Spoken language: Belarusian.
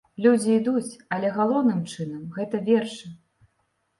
Людзі ідуць, але галоўным чынам, гэта вершы.